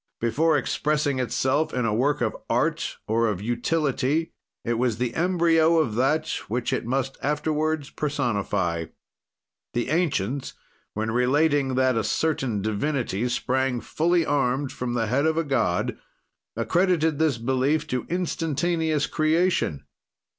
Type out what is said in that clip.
"Before expressing itself in a work of art or of utility, it was the embryo of that which it must afterward personify. "The ancients when relating that a certain divinity sprang, fully armed, from the head of a god, accredited this belief to instantaneous creation.